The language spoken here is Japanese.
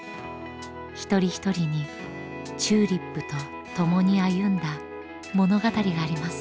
一人一人にＴＵＬＩＰとともに歩んだ物語があります。